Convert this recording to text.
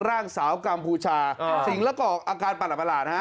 ร่างสาวกามพูชาสิงหละกอกอาการปรรตประหลาดนะครับ